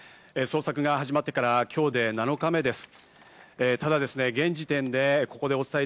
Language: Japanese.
捜索が始まってから今日で７日目です。